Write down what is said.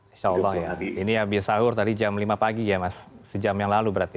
insya allah ya ini habis sahur tadi jam lima pagi ya mas sejam yang lalu berarti